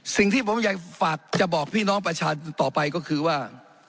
สิ่งที่ผมอยากฝากจะบอกพี่น้องประชาชนต่อไปก็คือว่า